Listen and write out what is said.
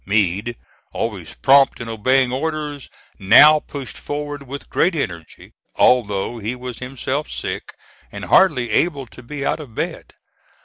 Meade, always prompt in obeying orders, now pushed forward with great energy, although he was himself sick and hardly able to be out of bed.